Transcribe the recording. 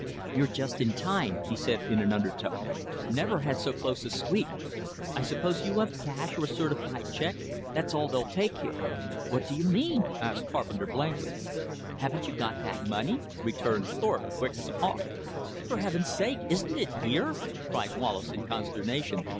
"You're just in time," he said in an undertone. "Never had so close a squeak. I suppose you have cash or a certified check: that's all they'll take here." "What do you mean?" asked Carpenter blankly. "Haven't you that money?" returned Thorpe quick as a hawk. "For Heaven's sake, isn't it here?" cried Wallace in consternation.